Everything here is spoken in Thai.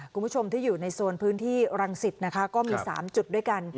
คุณผู้ชมที่อยู่ในโซนพื้นที่รังสิตนะคะก็มี๓จุดด้วยกัน